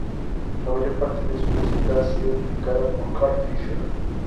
La mayor parte de su música ha sido publicada por Carl Fischer.